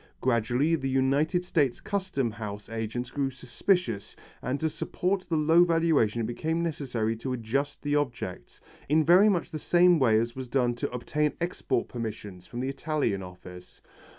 Gradually the United States Custom House agents grew suspicious, and to support the low valuation it became necessary to adjust the objects, in very much the same way as was done to obtain export permission, from the Italian office.